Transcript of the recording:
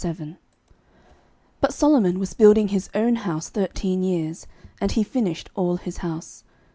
11:007:001 But Solomon was building his own house thirteen years, and he finished all his house.